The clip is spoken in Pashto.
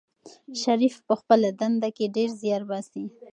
شریف په خپله دنده کې ډېر زیار باسي.